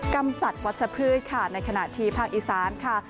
กำจัดวัชพืชค่ะในขณะที่ภาคอีสานค่ะ